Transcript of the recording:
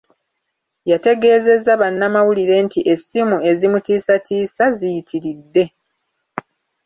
Yategeezezza bannamawulire nti essimu ezimutiisatiisa ziyitiridde.